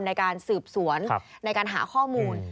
ในการสืบสวนในการหาข้อมูล